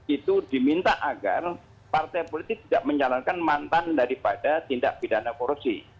itu diminta agar partai politik tidak menjalankan mantan daripada tindak pidana korupsi